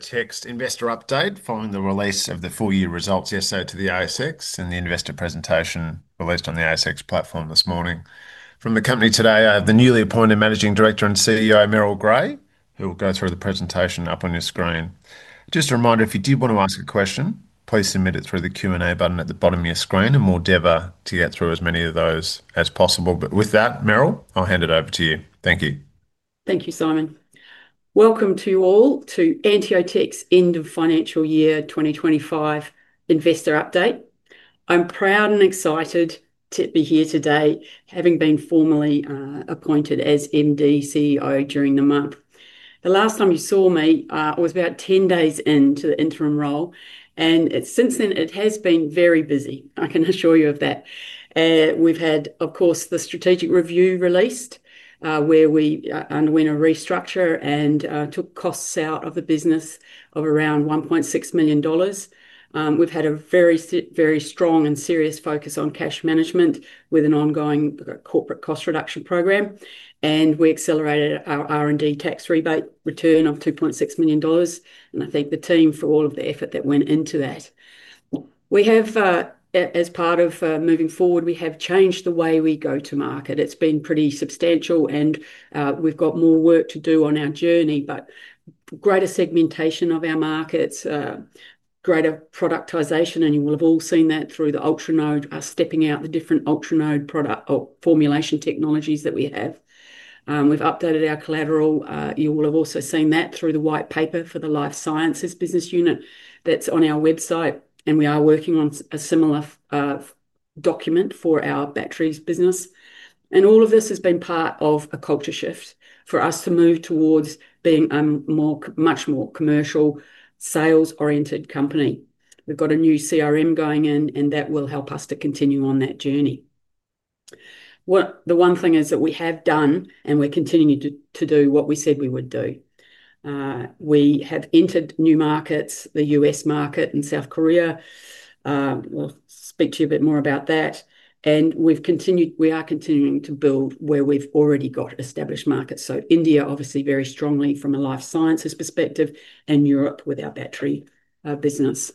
AnteoTech's investor update following the release of the full-year results yesterday to the ASX and the investor presentation released on the ASX platform this morning. From the company today, I have the newly appointed Managing Director and CEO, Merrill Gray, who will go through the presentation up on your screen. Just a reminder, if you did want to ask a question, please submit it through the Q&A button at the bottom of your screen, and we'll endeavour to get through as many of those as possible. With that, Merrill, I'll hand it over to you. Thank you. Thank you, Simon. Welcome to you all to AnteoTech's End of Financial Year 2025 Investor Update. I'm proud and excited to be here today, having been formally appointed as MD/CEO during the month. The last time you saw me, I was about 10 days into the interim role, and since then, it has been very busy, I can assure you of that. We've had, of course, the strategic review released, where we underwent a restructure and took costs out of the business of around $1.6 million. We've had a very, very strong and serious focus on cash management with an ongoing corporate cost reduction program, and we accelerated our R&D tax rebate return of $2.6 million. I thank the team for all of the effort that went into that. As part of moving forward, we have changed the way we go to market. It's been pretty substantial, and we've got more work to do on our journey, but greater segmentation of our markets, greater productization, and you will have all seen that through the Ultranode, stepping out the different Ultranode formulation technologies that we have. We've updated our collateral. You will have also seen that through the white paper for the Life Sciences business unit that's on our website, and we are working on a similar document for our batteries business. All of this has been part of a culture shift for us to move towards being a much more commercial, sales-oriented company. We've got a new CRM going in, and that will help us to continue on that journey. The one thing is that we have done, and we're continuing to do, what we said we would do. We have entered new markets, the U.S. market and South Korea. We'll speak to you a bit more about that. We've continued, we are continuing to build where we've already got established markets. India obviously very strongly from a life sciences perspective, and Europe with our battery business.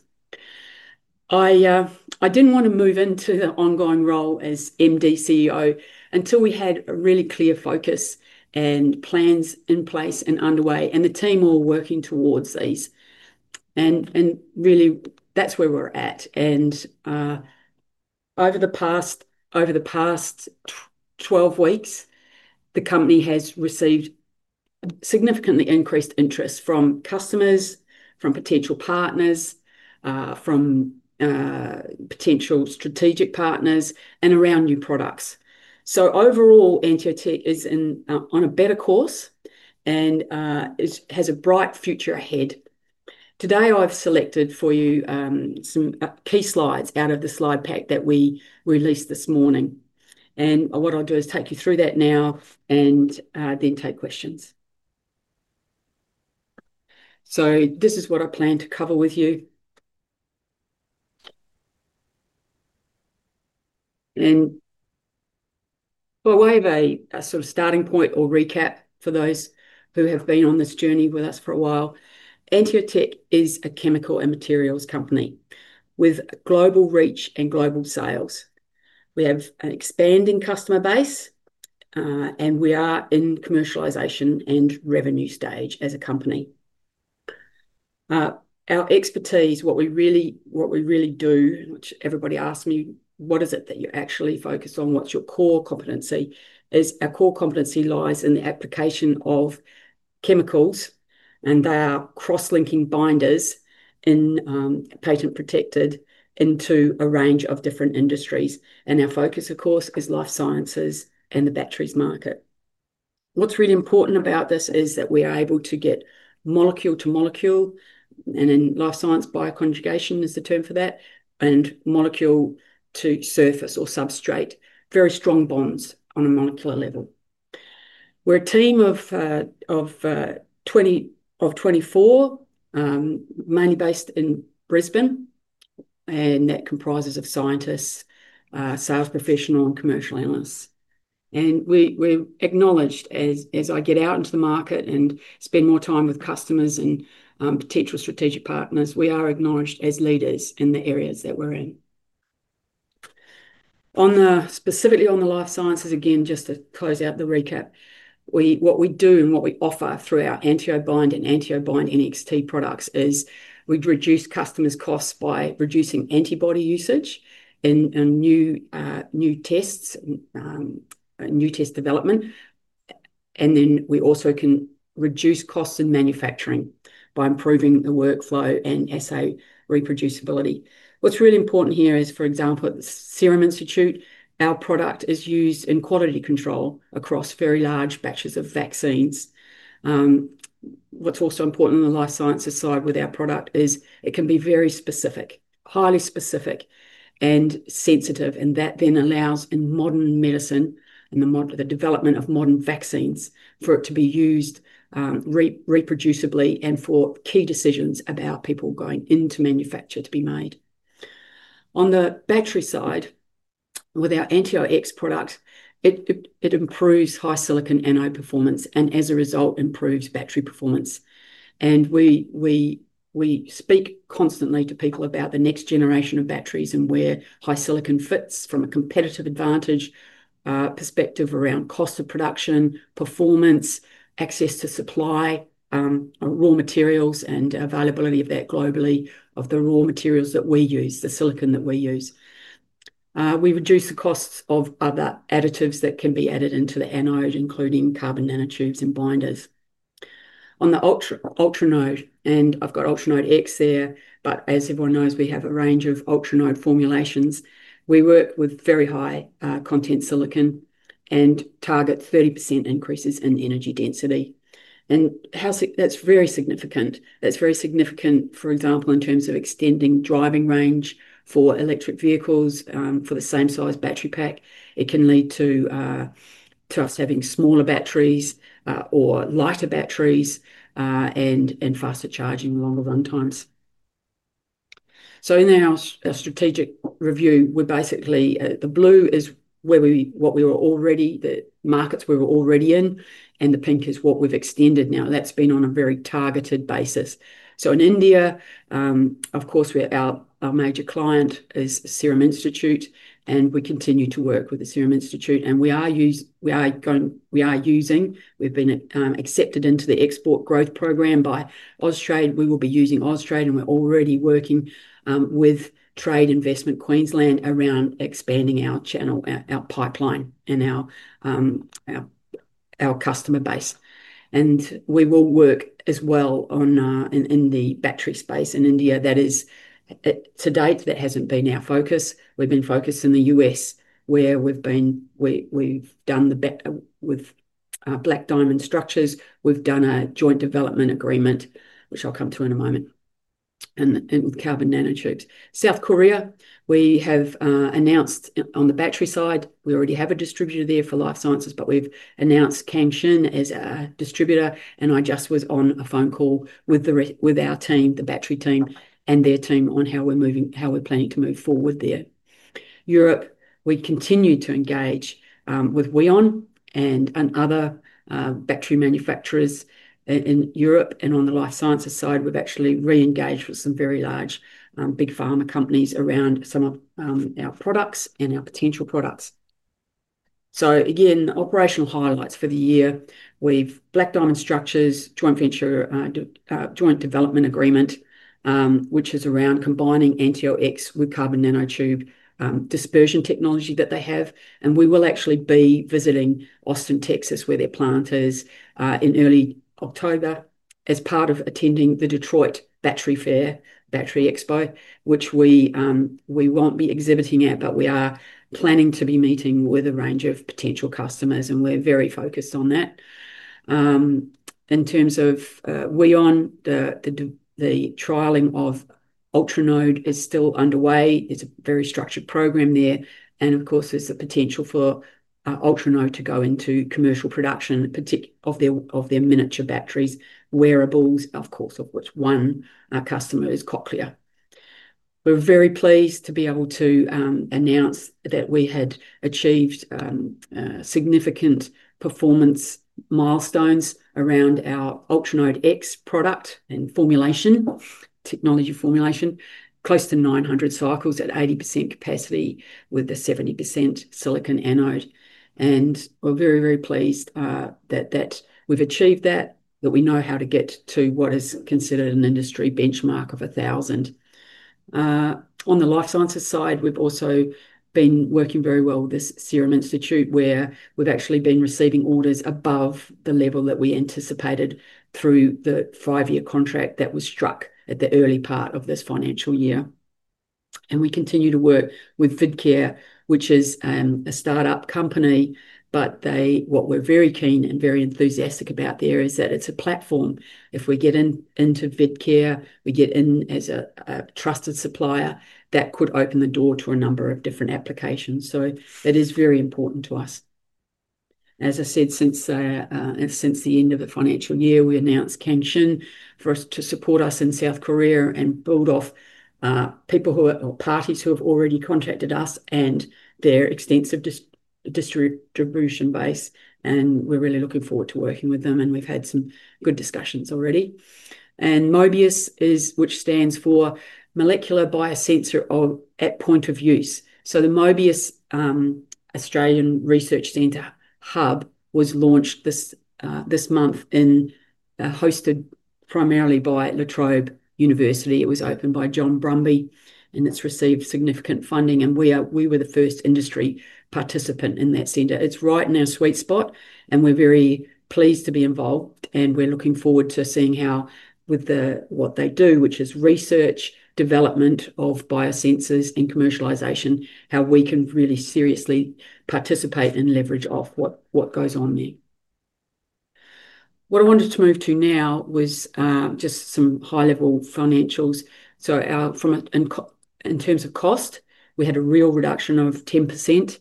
I didn't want to move into the ongoing role as MD/CEO until we had a really clear focus and plans in place and underway, and the team all working towards these. Really, that's where we are at. Over the past 12 weeks, the company has received significantly increased interest from customers, from potential partners, from potential strategic partners, and around new products. Overall, AnteoTech is on a better course and has a bright future ahead. Today, I've selected for you some key slides out of the slide pack that we released this morning. What I'll do is take you through that now and then take questions. This is what I plan to cover with you. By way of a sort of starting point or recap for those who have been on this journey with us for a while, AnteoTech is a chemical and materials company with global reach and global sales. We have an expanding customer base, and we are in commercialisation and revenue stage as a company. Our expertise, what we really do, which everybody asks me, what is it that you actually focus on? What's your core competency? Our core competency lies in the application of chemicals, and they are cross-linking binders in patent-protected into a range of different industries. Our focus, of course, is life sciences and the batteries market. What's really important about this is that we are able to get molecule to molecule, and in life science, bioconjugation is the term for that, and molecule to surface or substrate, very strong bonds on a molecular level. We're a team of 24, mainly based in Brisbane, and that comprises scientists, sales professionals, and commercial analysts. We're acknowledged, as I get out into the market and spend more time with customers and potential strategic partners, we are acknowledged as leaders in the areas that we're in. Specifically on the life sciences, again, just to close out the recap, what we do and what we offer through our AnteoBind and AnteoBind NXT products is we reduce customers' costs by reducing antibody usage and new tests and new test development. We also can reduce costs in manufacturing by improving the workflow and assay reproducibility. What's really important here is, for example, at the Serum Institute of India, our product is used in quality control across very large batches of vaccines. What's also important on the life sciences side with our product is it can be very specific, highly specific, and sensitive, and that then allows in modern medicine, in the development of modern vaccines, for it to be used reproducibly and for key decisions about people going into manufacture to be made. On the battery side, with our AnteoX product, it improves high-silicon anode performance and, as a result, improves battery performance. We speak constantly to people about the next generation of batteries and where high silicon fits from a competitive advantage perspective around cost of production, performance, access to supply, raw materials, and availability of that globally, of the raw materials that we use, the silicon that we use. We reduce the costs of other additives that can be added into the anode, including carbon nanotubes and binders. On the Ultranode, and I've got Ultranode X there, but as everyone knows, we have a range of Ultranode formulations. We work with very high-content silicon and target 30% increases in energy density. That's very significant, for example, in terms of extending driving range for electric vehicles for the same size battery pack. It can lead to us having smaller batteries or lighter batteries and faster charging, longer run times. In our strategic review, the blue is where we were already, the markets we were already in, and the pink is what we've extended now. That's been on a very targeted basis. In India, our major client is Serum Institute of India, and we continue to work with the Serum Institute of India. We are using, we've been accepted into the export growth programme by Oztrade. We will be using Oztrade, and we're already working with Trade Investment Queensland around expanding our channel, our pipeline, and our customer base. We will work as well in the battery space in India. To date, that hasn't been our focus. We've been focused in the U.S., where we've done the Black Diamond Structures. We've done a joint development agreement, which I'll come to in a moment, and with carbon nanotubes. In South Korea, we have announced on the battery side, we already have a distributor there for life sciences, but we've announced Camsun as a distributor. I just was on a phone call with our team, the battery team, and their team on how we're planning to move forward there. In Europe, we continue to engage with Weon and other battery manufacturers in Europe. On the life sciences side, we've actually re-engaged with some very large big pharma companies around some of our products and our potential products. Operational highlights for the year, we've Black Diamond Structures, joint venture, joint development agreement, which is around combining AnteoX with carbon nanotube dispersion technology that they have. We will actually be visiting Austin, Texas, where their plant is, in early October as part of attending the Detroit Battery Fair, Battery Expo, which we won't be exhibiting at, but we are planning to be meeting with a range of potential customers, and we're very focused on that. In terms of Weon, the trialing of Ultranode is still underway. It's a very structured program there. There is the potential for Ultranode to go into commercial production of their miniature batteries, wearables, of which one customer is Cochlear. We're very pleased to be able to announce that we had achieved significant performance milestones around our Ultranode X product and formulation, technology formulation, close to 900 cycles at 80% capacity with the 70% silicon anode. We're very, very pleased that we've achieved that, that we know how to get to what is considered an industry benchmark of 1,000. On the life sciences side, we've also been working very well with the Serum Institute of India, where we've actually been receiving orders above the level that we anticipated through the five-year contract that was struck at the early part of this financial year. We continue to work with Vidcare, which is a startup company, but what we're very keen and very enthusiastic about there is that it's a platform. If we get into Vidcare, we get in as a trusted supplier, that could open the door to a number of different applications. It is very important to us. As I said, since the end of the financial year, we announced Camsun for us to support us in South Korea and build off people who are parties who have already contacted us and their extensive distribution base. We're really looking forward to working with them, and we've had some good discussions already. MOBIUS is, which stands for Molecular Biosensor at Point of Use. The MOBIUS Australian Research Centre Hub was launched this month and hosted primarily by La Trobe University. It was opened by John Brumby and it's received significant funding, and we were the first industry participant in that centre. It's right in our sweet spot, and we're very pleased to be involved, and we're looking forward to seeing how, with what they do, which is research, development of biosensors, and commercialization, how we can really seriously participate and leverage off what goes on there. What I wanted to move to now was just some high-level financials. In terms of cost, we had a real reduction of 10%,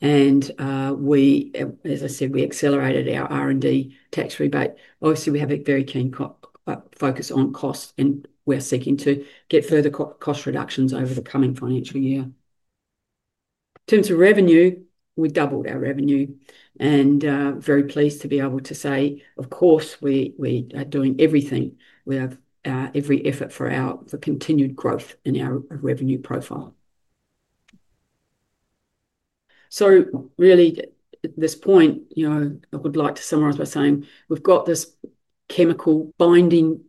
and as I said, we accelerated our R&D tax rebate. Obviously, we have a very keen focus on cost, and we're seeking to get further cost reductions over the coming financial year. In terms of revenue, we doubled our revenue and are very pleased to be able to say, of course, we are doing everything. We have every effort for our continued growth in our revenue profile. At this point, I would like to summarize by saying we've got this chemical binding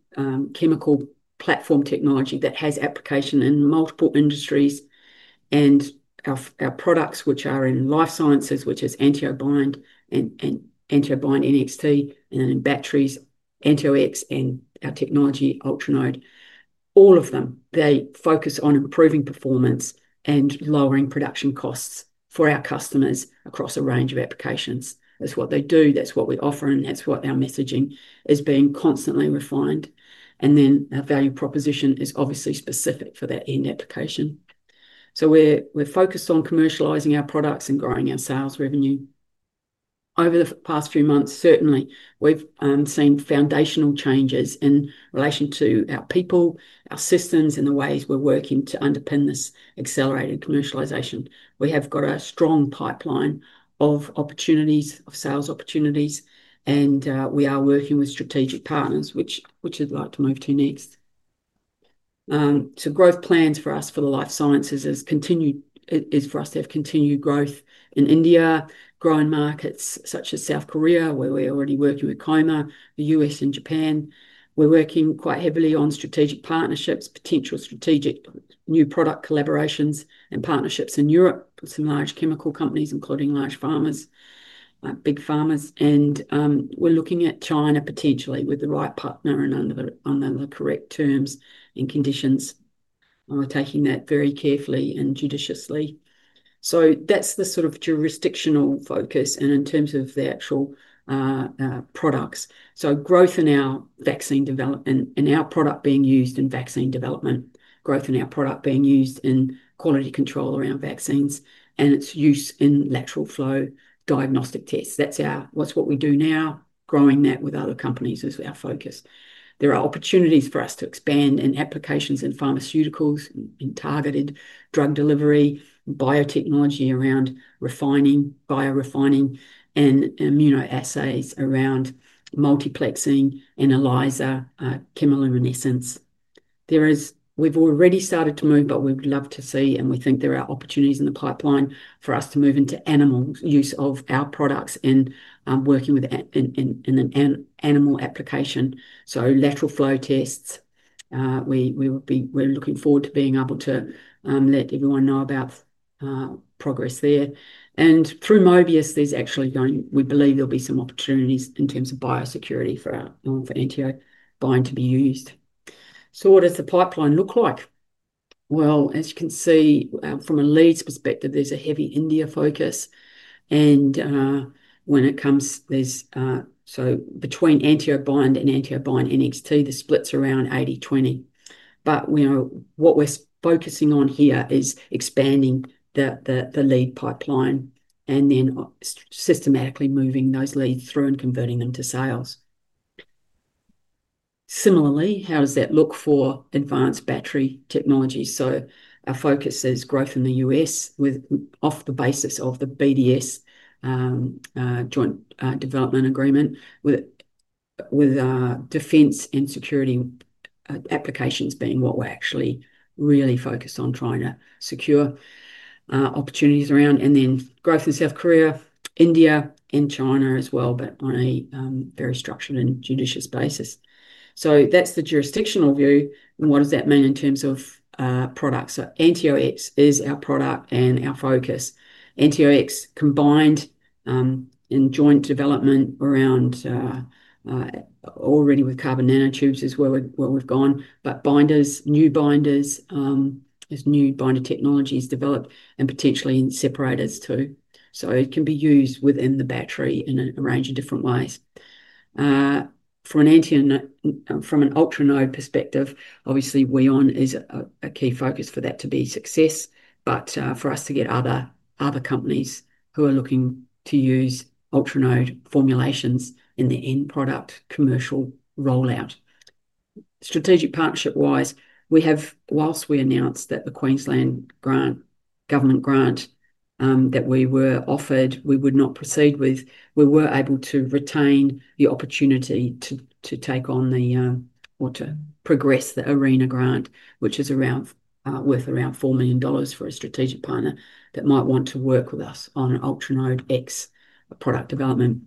platform technology that has application in multiple industries and our products, which are in life sciences, which is AnteoBind and AnteoBind NXT, and then in batteries, AnteoX and our technology, Ultranode. All of them focus on improving performance and lowering production costs for our customers across a range of applications. That's what they do, that's what we offer, and that's what our messaging is being constantly refined. Our value proposition is obviously specific for that end application. We're focused on commercializing our products and growing our sales revenue. Over the past few months, certainly, we've seen foundational changes in relation to our people, our systems, and the ways we're working to underpin this accelerated commercialization. We have got a strong pipeline of opportunities, of sales opportunities, and we are working with strategic partners, which I'd like to move to next. Growth plans for us for the life sciences is for us to have continued growth in India, growing markets such as South Korea, where we're already working with Camsun, the U.S. and Japan. We're working quite heavily on strategic partnerships, potential strategic new product collaborations and partnerships in Europe with some large chemical companies, including large pharma, big pharma. We're looking at China potentially with the right partner and under the correct terms and conditions. We're taking that very carefully and judiciously. That's the sort of jurisdictional focus and in terms of the actual products. Growth in our vaccine development and our product being used in vaccine development, growth in our product being used in quality control around vaccines and its use in lateral flow diagnostic tests. That's what we do now, growing that with other companies is our focus. There are opportunities for us to expand in applications in pharmaceuticals, in targeted drug delivery, biotechnology around refining, bio-refining, and immunoassays around multiplexing and ELISA chemoluminescence. We've already started to move, but we'd love to see, and we think there are opportunities in the pipeline for us to move into animal use of our products and working with in an animal application. Lateral flow tests, we're looking forward to being able to let everyone know about progress there. Through MOBIUS, we believe there'll be some opportunities in terms of biosecurity for AnteoBind to be used. What does the pipeline look like? As you can see, from a leads perspective, there's a heavy India focus. When it comes, between AnteoBind and AnteoBind NXT, the split's around 80-20. What we're focusing on here is expanding the lead pipeline and then systematically moving those leads through and converting them to sales. Similarly, how does that look for advanced battery technology? Our focus is growth in the U.S. with off the basis of the BDS joint development agreement, with defense and security applications being what we're actually really focused on trying to secure opportunities around. Growth in South Korea, India, and China as well, but on a very structured and judicious basis. That's the jurisdictional view. What does that mean in terms of products? AnteoX is our product and our focus. AnteoX combined in joint development already with carbon nanotubes is where we've gone. Binders, new binders, there's new binder technologies developed and potentially in separators too. It can be used within the battery in a range of different ways. From an Ultranode perspective, obviously, Weon is a key focus for that to be a success, but for us to get other companies who are looking to use Ultranode formulations in the end product commercial rollout. Strategic partnership-wise, whilst we announced that the Queensland government grant that we were offered, we would not proceed with, we were able to retain the opportunity to take on the, or to progress the ARENA grant, which is worth around $4 million for a strategic partner that might want to work with us on an Ultranode X product development.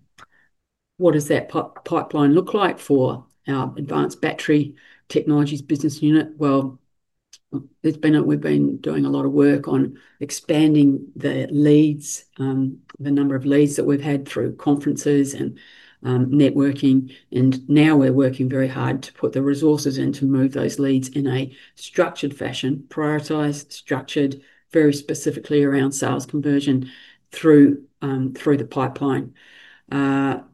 What does that pipeline look like for our advanced battery technologies business unit? We've been doing a lot of work on expanding the leads, the number of leads that we've had through conferences and networking. Now we're working very hard to put the resources in to move those leads in a structured fashion, prioritized, structured very specifically around sales conversion through the pipeline. The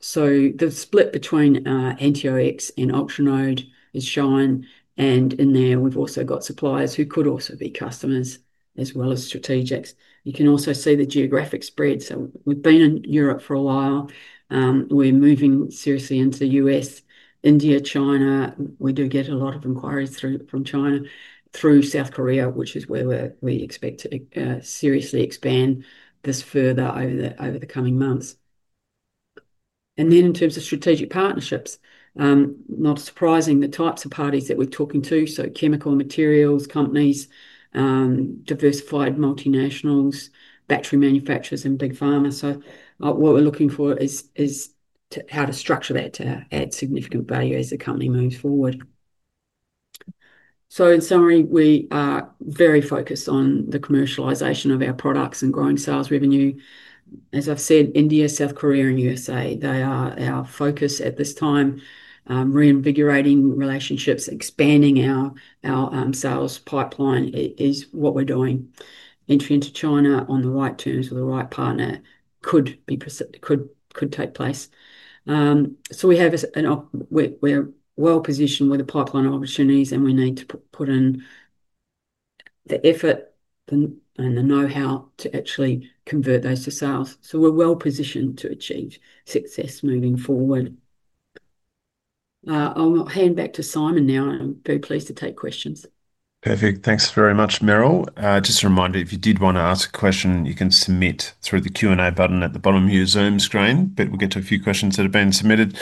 split between AnteoX and Ultranode is showing, and in there, we've also got suppliers who could also be customers as well as strategics. You can also see the geographic spread. We've been in Europe for a while. We're moving seriously into the U.S., India, China. We do get a lot of inquiries from China through South Korea, which is where we expect to seriously expand this further over the coming months. In terms of strategic partnerships, not surprising, the types of parties that we're talking to are chemical and materials companies, diversified multinationals, battery manufacturers, and big pharma. What we're looking for is how to structure that to add significant value as the company moves forward. In summary, we are very focused on the commercialization of our products and growing sales revenue. As I've said, India, South Korea, and U.S.A., they are our focus at this time. Reinvigorating relationships, expanding our sales pipeline is what we're doing. Entering into China on the right terms with the right partner could take place. We are well positioned with a pipeline of opportunities, and we need to put in the effort and the know-how to actually convert those to sales. We're well positioned to achieve success moving forward. I'll hand back to Simon now. I'm very pleased to take questions. Perfect. Thanks very much, Merrill. Just a reminder, if you did want to ask a question, you can submit through the Q&A button at the bottom of your Zoom screen. We'll get to a few questions that have been submitted.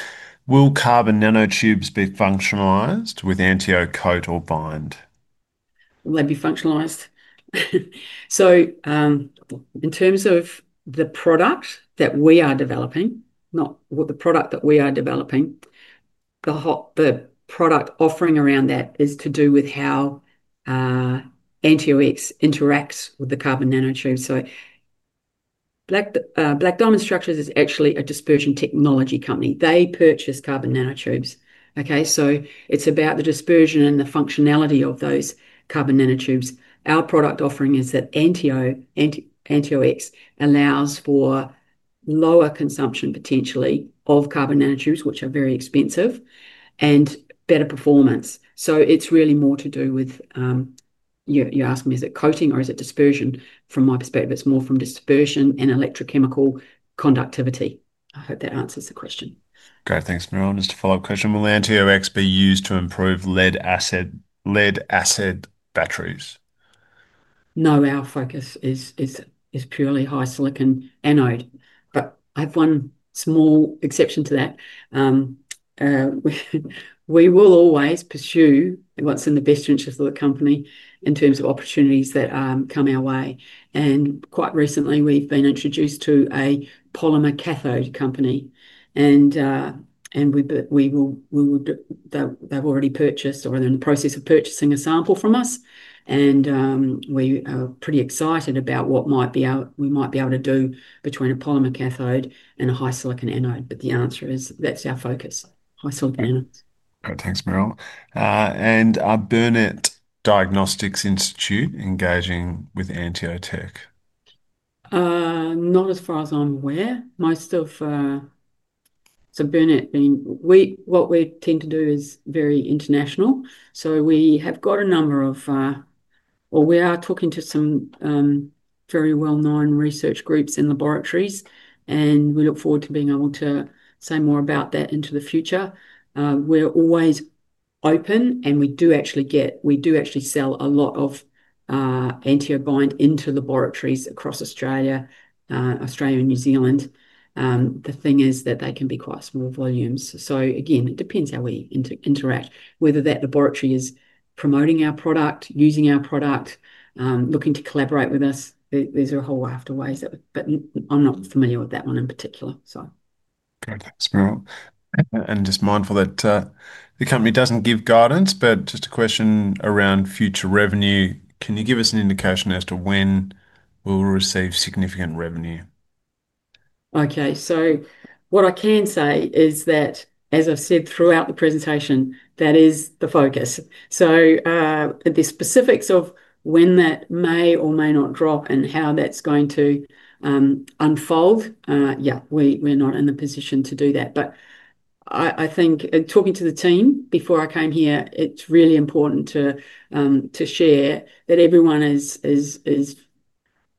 Will carbon nanotubes be functionalized with AnteoCoat or Bind? Will they be functionalised? In terms of the product that we are developing, the product offering around that is to do with how AnteoX interacts with the carbon nanotube. Black Diamond Structures is actually a dispersion technology company. They purchase carbon nanotubes. It is about the dispersion and the functionality of those carbon nanotubes. Our product offering is that AnteoX allows for lower consumption potentially of carbon nanotubes, which are very expensive, and better performance. It is really more to do with, you ask me, is it coating or is it dispersion? From my perspective, it is more from dispersion and electrochemical conductivity. I hope that answers the question. Okay, thanks, Merrill. Just a follow-up question. Will AnteoX be used to improve lead acid batteries? No, our focus is purely high-silicon anode. I have one small exception to that. We will always pursue what's in the best interest of the company in terms of opportunities that come our way. Quite recently, we've been introduced to a polymer cathode company. They have already purchased or are in the process of purchasing a sample from us. We are pretty excited about what we might be able to do between a polymer cathode and a high-silicon anode. The answer is that's our focus, high-silicon anodes. Thanks, Merrill. Are Burnett Diagnostics Institute engaging with AnteoTech? Not as far as I'm aware. Most of, what we tend to do is very international. We have got a number of, we are talking to some very well-known research groups in laboratories, and we look forward to being able to say more about that into the future. We're always open, and we do actually sell a lot of AnteoBind into laboratories across Australia, New Zealand. The thing is that they can be quite small volumes. It depends how we interact, whether that laboratory is promoting our product, using our product, looking to collaborate with us. There's a whole raft of ways, but I'm not familiar with that one in particular. Okay, thanks, Merrill. I'm just mindful that the company doesn't give guidance, but just a question around future revenue. Can you give us an indication as to when we'll receive significant revenue? Okay, what I can say is that, as I've said throughout the presentation, that is the focus. The specifics of when that may or may not drop and how that's going to unfold, we're not in the position to do that. I think talking to the team before I came here, it's really important to share that everyone is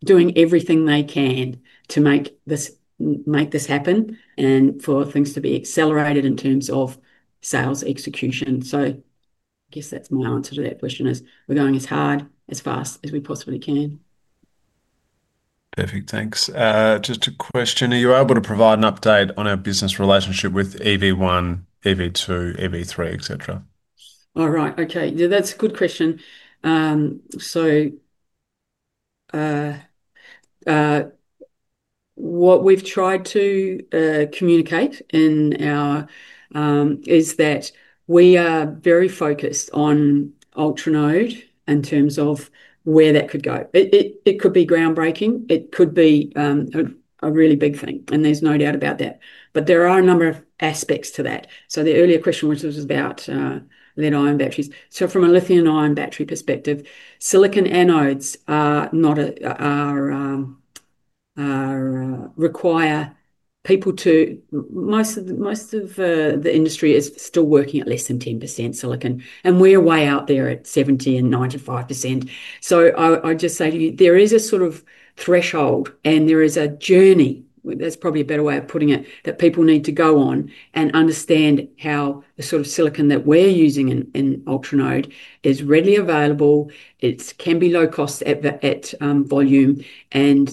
doing everything they can to make this happen and for things to be accelerated in terms of sales execution. I guess that's my answer to that question. We're going as hard, as fast as we possibly can. Perfect, thanks. Just a question. Are you able to provide an update on our business relationship with EV1, EV2, EV3, etc.? All right, okay. Yeah, that's a good question. What we've tried to communicate is that we are very focused on Ultranode in terms of where that could go. It could be groundbreaking. It could be a really big thing, and there's no doubt about that. There are a number of aspects to that. The earlier question was about lead-ion batteries. From a Lithium-ion battery perspective, silicon anodes require people to, most of the industry is still working at less than 10% silicon, and we're way out there at 70% and 95%. I just say to you, there is a sort of threshold, and there is a journey, that's probably a better way of putting it, that people need to go on and understand how the sort of silicon that we're using in Ultranode is readily available. It can be low cost at volume, and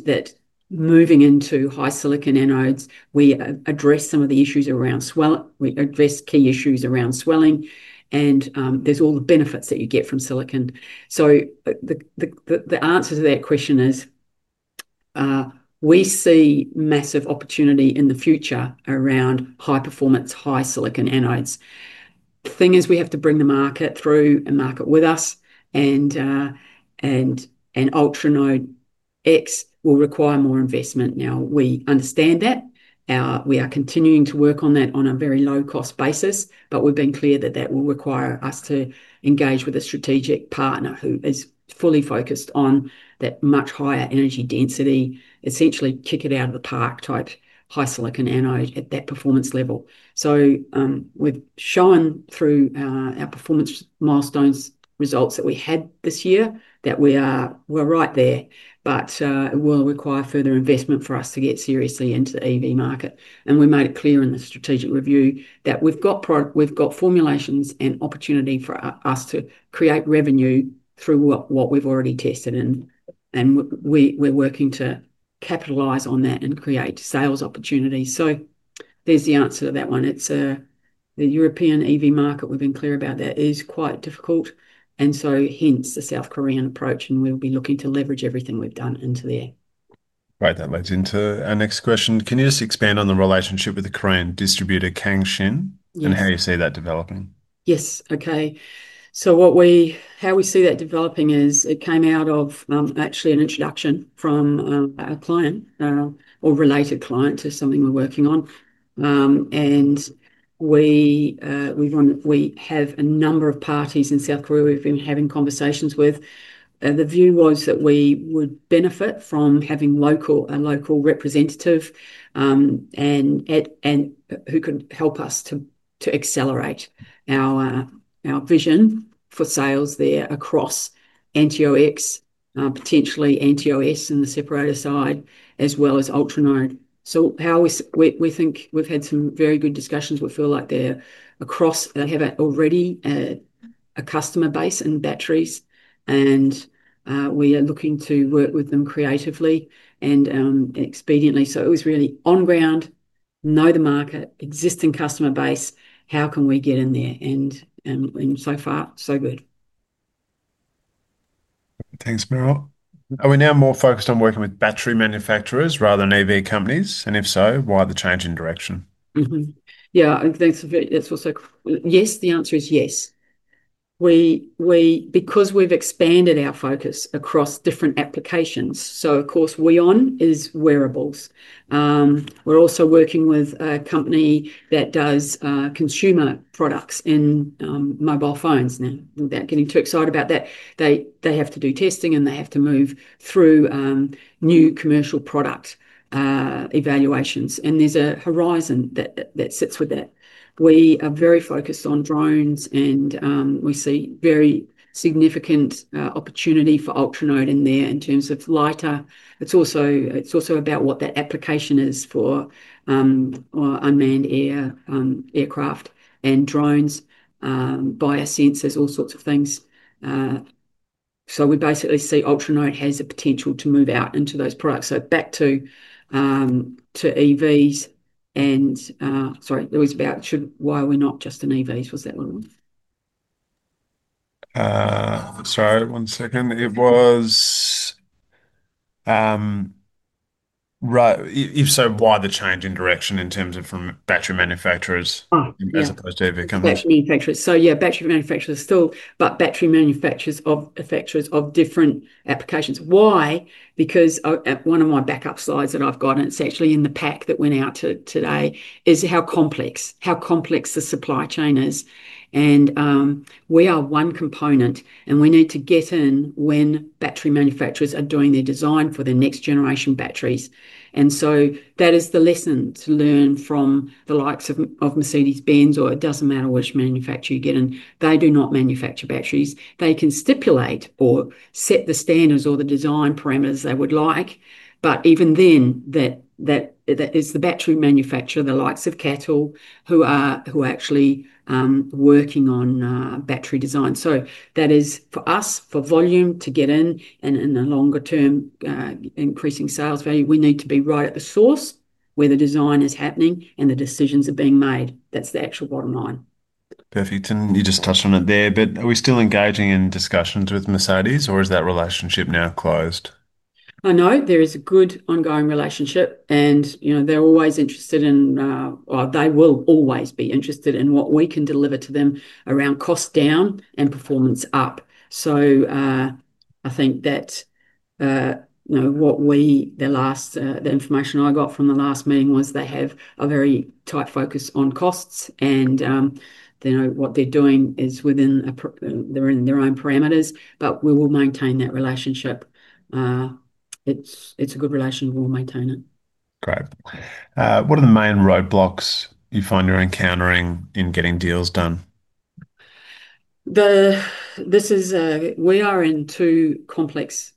moving into high silicon anodes, we address some of the issues around swelling, we address key issues around swelling, and there's all the benefits that you get from silicon. The answer to that question is we see massive opportunity in the future around high performance, high silicon anodes. The thing is, we have to bring the market through and market with us, and Ultranode X will require more investment. We understand that. We are continuing to work on that on a very low cost basis, but we've been clear that will require us to engage with a strategic partner who is fully focused on that much higher energy density, essentially kick it out of the park type high silicon anode at that performance level. We've shown through our performance milestones results that we had this year that we're right there, but it will require further investment for us to get seriously into the EV market. We made it clear in the strategic review that we've got formulations and opportunity for us to create revenue through what we've already tested, and we're working to capitalize on that and create sales opportunities. There's the answer to that one. It's the European EV market. We've been clear about that. It is quite difficult, and hence the South Korean approach, and we'll be looking to leverage everything we've done into there. Right, that leads into our next question. Can you just expand on the relationship with the Korean distributor Camsun and how you see that developing? Yes, okay. What we, how we see that developing is it came out of actually an introduction from a client or related client to something we're working on. We have a number of parties in South Korea we've been having conversations with. The view was that we would benefit from having a local representative who could help us to accelerate our vision for sales there across AnteoX, potentially AnteoS in the separator side, as well as Ultranode. We think we've had some very good discussions. We feel like they're across, they have already a customer base in batteries, and we are looking to work with them creatively and expediently. It was really on ground, know the market, existing customer base, how can we get in there, and so far, so good. Thanks, Merrill. Are we now more focused on working with battery manufacturers rather than EV companies, and if so, why the change in direction? Yeah, I think that's also, yes, the answer is yes. Because we've expanded our focus across different applications, of course, Weon is wearables. We're also working with a company that does consumer products in mobile phones. Now, without getting too excited about that, they have to do testing and they have to move through new commercial product evaluations, and there's a horizon that sits with that. We are very focused on drones, and we see very significant opportunity for Ultranode in there in terms of lighter. It's also about what that application is for unmanned aircraft and drones, biosensors, all sorts of things. We basically see Ultranode has the potential to move out into those products. Back to EVs, and sorry, it was about why we're not just in EVs. Was that one? Sorry, one second. If so, why the change in direction in terms of from battery manufacturers as opposed to EV companies? Battery manufacturers. Yeah, battery manufacturers still, but battery manufacturers of different applications. Why? One of my backup slides that I've got, and it's actually in the pack that went out today, is how complex the supply chain is. We are one component, and we need to get in when battery manufacturers are doing their design for the next generation batteries. That is the lesson to learn from the likes of Mercedes-Benz, or it doesn't matter which manufacturer you get in. They do not manufacture batteries. They can stipulate or set the standards or the design parameters they would like, but even then, that is the battery manufacturer, the likes of CATL, who are actually working on battery design. That is for us, for volume to get in, and in the longer term, increasing sales value, we need to be right at the source where the design is happening and the decisions are being made. That's the actual bottom line. Perfect. You just touched on it there, but are we still engaging in discussions with Mercedes, or is that relationship now closed? No, there is a good ongoing relationship, and you know they're always interested in, well, they will always be interested in what we can deliver to them around cost down and performance up. I think that, you know, the last, the information I got from the last meeting was they have a very tight focus on costs, and they know what they're doing is within their own parameters, but we will maintain that relationship. It's a good relationship. We'll maintain it. Great. What are the main roadblocks you find you're encountering in getting deals done? We are in two complex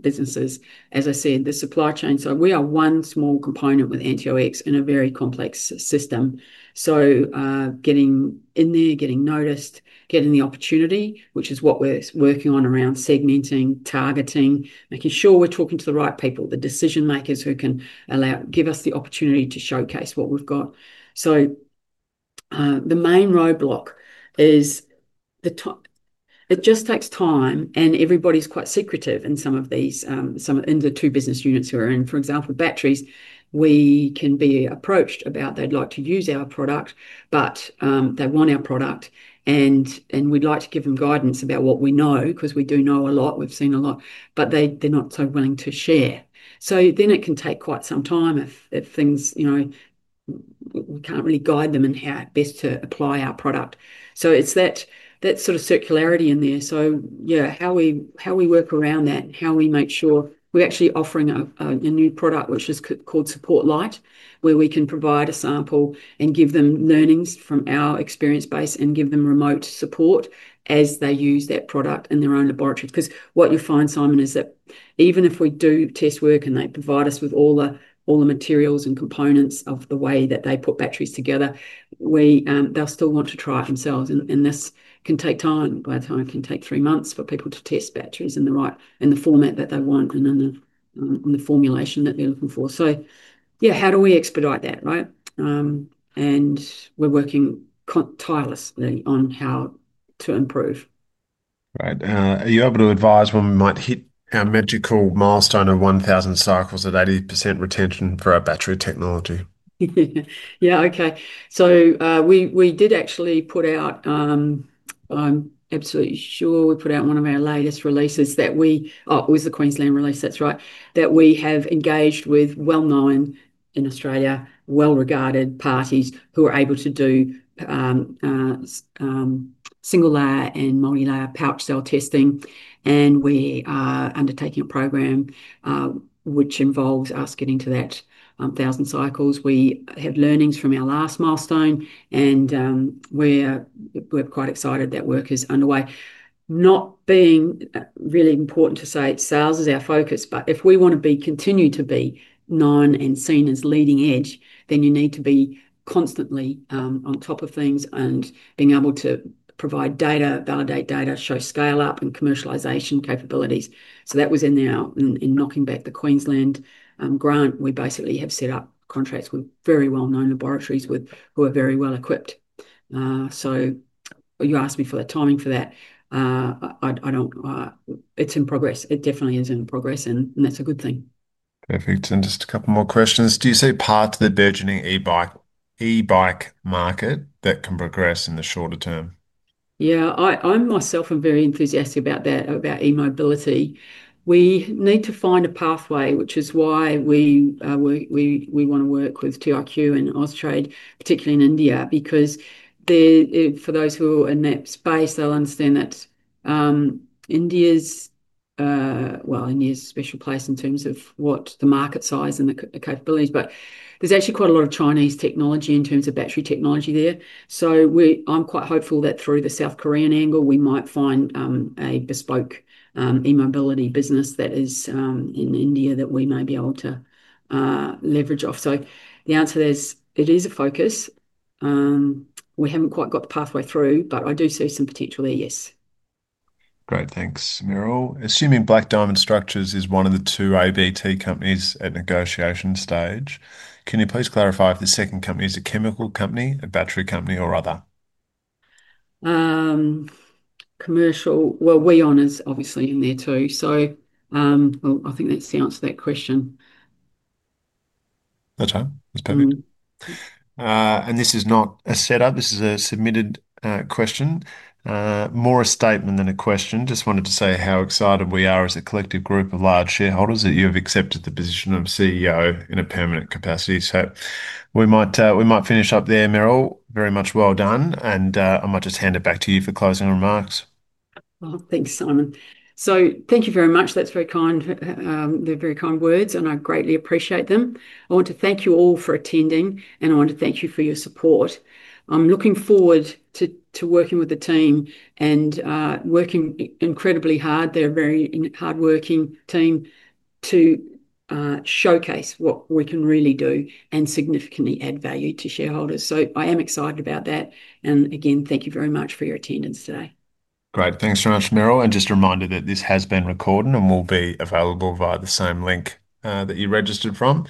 businesses. As I said, the supply chain, we are one small component with AnteoX in a very complex system. Getting in there, getting noticed, getting the opportunity, which is what we're working on around segmenting, targeting, making sure we're talking to the right people, the decision makers who can give us the opportunity to showcase what we've got, the main roadblock is it just takes time, and everybody's quite secretive in some of these, in the two business units we are in. For example, batteries, we can be approached about they'd like to use our product, but they want our product, and we'd like to give them guidance about what we know, because we do know a lot, we've seen a lot, but they're not so willing to share. It can take quite some time if we can't really guide them in how best to apply our product. It's that sort of circularity in there. How we work around that and how we make sure we're actually offering a new product, which is called Support Lite, where we can provide a sample and give them learnings from our experience base and give them remote support as they use that product in their own laboratory. What you find, Simon, is that even if we do test work and they provide us with all the materials and components of the way that they put batteries together, they'll still want to try it themselves. This can take time. I think it can take three months for people to test batteries in the format that they want and in the formulation that they're looking for. How do we expedite that, right? We're working tirelessly on how to improve. Right. Are you able to advise when we might hit our magical milestone of 1,000 cycles at 80% retention for our battery technology? Yeah, okay. We did actually put out, I'm absolutely sure we put out one of our latest releases, it was the Queensland release, that's right, that we have engaged with well-known in Australia, well-regarded parties who are able to do single-layer and multi-layer pouch cell testing. We are undertaking a program which involves us getting to that 1,000 cycles. We have learnings from our last milestone, and we're quite excited that work is underway. It's really important to say sales is our focus, but if we want to continue to be known and seen as leading edge, then you need to be constantly on top of things and being able to provide data, validate data, show scale-up and commercialisation capabilities. That was in now in knocking back the Queensland grant. We basically have set up contracts with very well-known laboratories who are very well equipped. You asked me for the timing for that. It's in progress. It definitely is in progress, and that's a good thing. Perfect. Just a couple more questions. Do you see part of the burgeoning e-bike market that can progress in the shorter term? Yeah, I myself am very enthusiastic about that, about e-mobility. We need to find a pathway, which is why we want to work with TRQ and Oztrade, particularly in India, because for those who are in that space, they'll understand that India is, well, India is a special place in terms of what the market size and the capabilities, but there's actually quite a lot of Chinese technology in terms of battery technology there. I'm quite hopeful that through the South Korean angle, we might find a bespoke e-mobility business that is in India that we may be able to leverage off. The answer is it is a focus. We haven't quite got the pathway through, but I do see some potential there, yes. Great, thanks, Merrill. Assuming Black Diamond Structures is one of the two ABT companies at negotiation stage, can you please clarify if the second company is a chemical company, a battery company, or other? Weon is obviously in there too. I think that's the answer to that question. Okay, that's perfect. This is not a setup. This is a submitted question, more a statement than a question. Just wanted to say how excited we are as a collective group of large shareholders that you have accepted the position of CEO in a permanent capacity. We might finish up there, Merrill. Very much well done. I might just hand it back to you for closing remarks. Thank you very much. That's very kind. They're very kind words, and I greatly appreciate them. I want to thank you all for attending, and I want to thank you for your support. I'm looking forward to working with the team and working incredibly hard. They're a very hardworking team to showcase what we can really do and significantly add value to shareholders. I am excited about that. Again, thank you very much for your attendance today. Great. Thanks very much, Merrill. Just a reminder that this has been recorded and will be available via the same link that you registered from.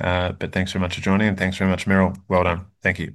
Thanks very much for joining, and thanks very much, Merrill. Well done. Thank you.